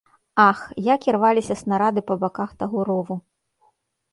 Ах, як ірваліся снарады па баках таго рову!